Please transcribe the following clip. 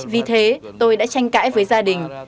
vì thế tôi đã tranh cãi với gia đình